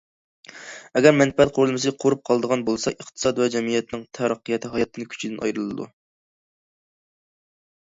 ئەگەر مەنپەئەت قۇرۇلمىسى قۇرۇپ قالىدىغان بولسا، ئىقتىساد ۋە جەمئىيەتنىڭ تەرەققىياتى ھاياتى كۈچىدىن ئايرىلىدۇ.